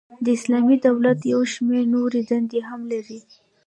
د اسلامی دولت یو شمیر نوري دندي هم لري.